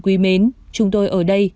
quý mến chúng tôi ở đây